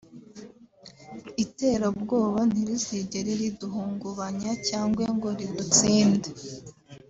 “Iterabwoba ntirizigera riduhungubanya cyangwa ngo ridutsinde